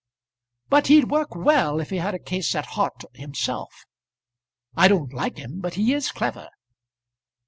"But he'd work well if he had a case at heart himself. I don't like him, but he is clever."